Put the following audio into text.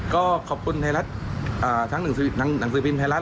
ก็ขอบคุณไทยรัฐทั้งหนังสือพิมพ์ไทยรัฐ